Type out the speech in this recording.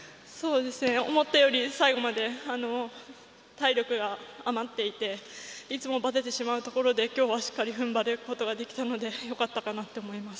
思ったより最後まで体力が余っていていつもばててしまうところで今日はしっかり踏ん張ることができたのでよかったかなって思います。